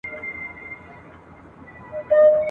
تا خو لیدې د خزانونو له چپاوه کډي !.